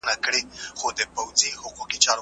مواد باید په سم ډول منظم سي.